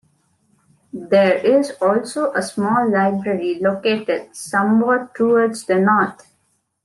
There is also a small library located somewhat towards the north.